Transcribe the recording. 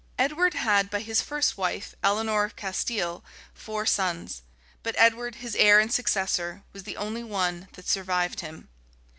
Edward had by his first wife, Eleanor of Castile, four sons; but Edward, his heir and successor, was the only one that survived him.